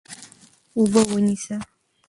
اوبه ونیسه.